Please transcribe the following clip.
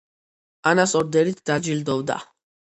ანას ორდერით დაჯილდოვდა.